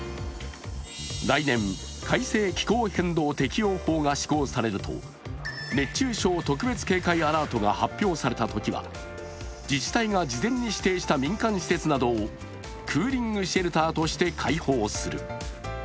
来年、改正気候変動適応法が施行されると、熱中症特別警戒アラートが発表されたときは自治体が事前に指定した民間施設などをクーリングシェルターとして開放する。